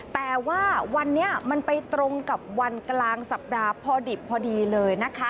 แต่ว่าวันนี้มันไปตรงกับวันกลางสัปดาห์พอดิบพอดีเลยนะคะ